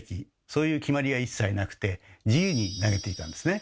そういう決まりは一切なくて自由に投げていたんですね。